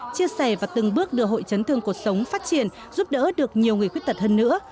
chia sẻ và từng bước đưa hội chấn thương cuộc sống phát triển giúp đỡ được nhiều người khuyết tật hơn nữa